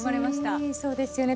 そうですよね